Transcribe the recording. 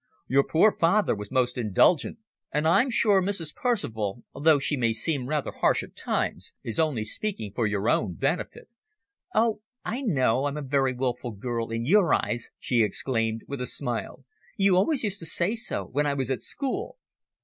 Your poor father was most indulgent, and I'm sure Mrs. Percival, although she may seem rather harsh at times, is only speaking for your own benefit." "Oh, I know I'm a very wilful girl in your eyes," she exclaimed, with a smile. "You always used to say so when I was at school."